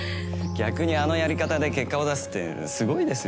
逆にあのやり方で結果を出すってすごいですよ。